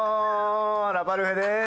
ラパルフェです。